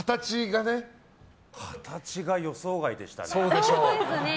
形が予想外でしたね。